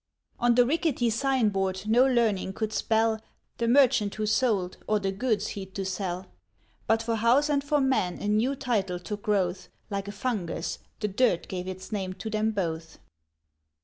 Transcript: On the rickety sign board no learning could spell The merchant who sold, or the goods he'd to sell; But for house and for man a new title took growth, Like a fungus, the Dirt gave its name to them both.